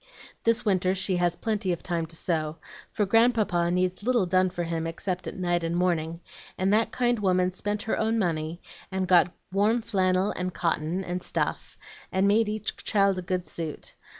This winter she has plenty of time to sew, for Grandpapa needs little done for him except at night and morning, and that kind woman spent her own money, and got warm flannel and cotton and stuff, and made each child a good suit.